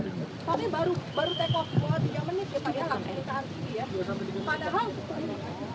tapi baru take off dua tiga menit